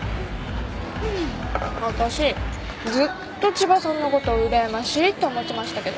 わたしずっと千葉さんのことうらやましいって思ってましたけど